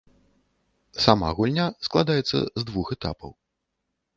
Сама гульня складаецца з двух этапаў.